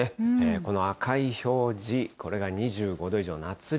この赤い表示、これが２５度以上、夏日。